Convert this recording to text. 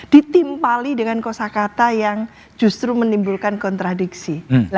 ditimpali dengan kosa kata yang justru menimbulkan kontradiksi